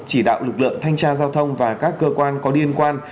chỉ đạo lực lượng thanh tra giao thông và các cơ quan có liên quan